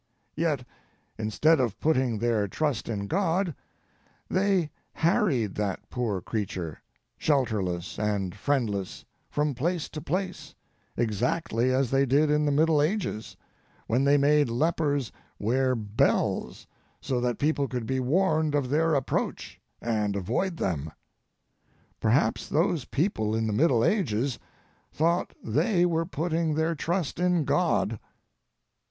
Yet, instead of putting their trust in God, they harried that poor creature, shelterless and friendless, from place to place, exactly as they did in the Middle Ages, when they made lepers wear bells, so that people could be warned of their approach and avoid them. Perhaps those people in the Middle Ages thought they were putting their trust in God.